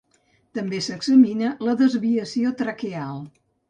També s'examina la desviació traqueal.